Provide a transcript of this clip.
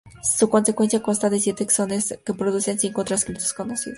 Su secuencia consta de siete exones, que producen cinco transcritos conocidos.